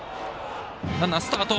ランナー、スタート。